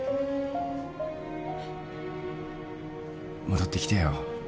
戻ってきてよ。